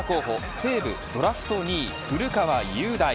西武ドラフト２位、古川雄大。